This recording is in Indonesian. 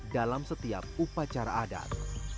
dalam setiap upacara adat